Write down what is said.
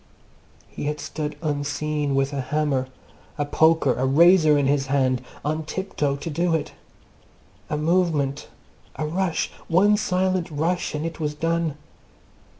He had stood unseen with a hammer, a poker, a razor in his hand, on tiptoe to do it. A movement, a rush, one silent rush and it was done!